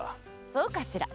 そうかしら？